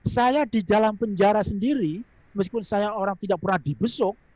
saya di dalam penjara sendiri meskipun saya orang tidak pernah dibesok